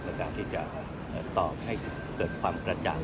ในการที่จะตอบให้เกิดความกระจ่าง